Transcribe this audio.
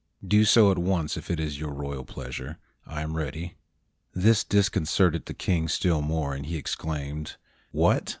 "Do so at once if it is your royal pleasure. I am ready." This disconcerted the King still more, and he exclaimed, "What!